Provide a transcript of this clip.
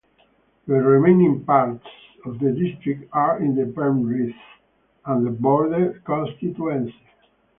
The remaining parts of the district are in the Penrith and The Border constituency.